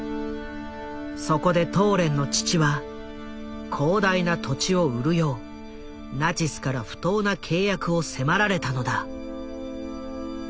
そこでトーレンの父は広大な土地を売るようナチスから不当な契約を迫られたのだ。